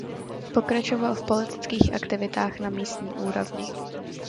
Pokračoval v politických aktivitách na místní úrovni.